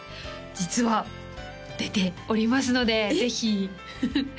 実は出ておりますのでぜひえっ？